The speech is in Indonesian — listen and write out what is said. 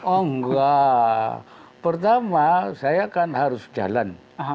oh enggak pertama saya kan harus jalan